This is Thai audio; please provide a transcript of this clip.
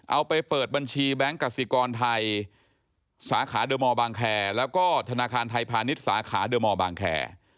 เอาไปเปิดบัญชีแบงค์กสิกรไทยสาขาเดอร์มอลบางแคร์แล้วก็ธนาคารไทยพาณิชย์สาขาเดอร์มอร์บางแคร์